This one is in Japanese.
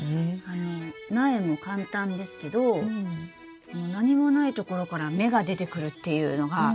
あの苗も簡単ですけど何もないところから芽が出てくるっていうのが。